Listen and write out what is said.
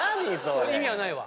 意味はないわ。